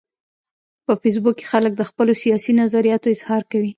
په فېسبوک کې خلک د خپلو سیاسي نظریاتو اظهار کوي